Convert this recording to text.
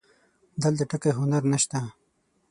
دلته ټکی هنر نه شته